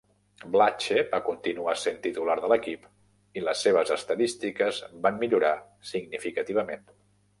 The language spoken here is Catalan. Blatche va continuar sent titular de l'equip, i les seves estadístiques van millorar significativament.